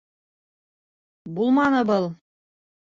Булманы был.